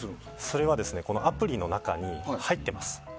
それはアプリの中に入ってます。